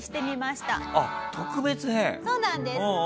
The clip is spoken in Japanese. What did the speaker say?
そうなんです。